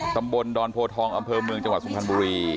ตำบลดอนโพทองอำเภอเมืองจังหวัดสุพรรณบุรี